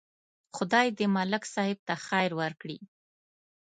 خدای دې ملک صاحب ته خیر ورکړي.